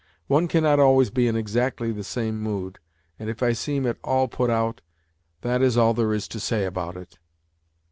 One cannot always be in exactly the same mood, and if I seem at all put out, that is all there is to say about it."